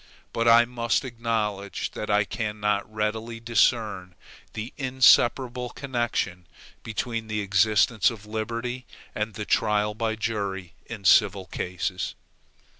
But I must acknowledge that I cannot readily discern the inseparable connection between the existence of liberty, and the trial by jury in civil cases.